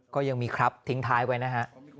ก็ยังมีครับทิ้งท้ายไว้นะฮะ